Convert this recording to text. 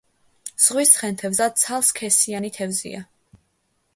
ზღვის ცხენთევზა ცალსქესიანი თევზია.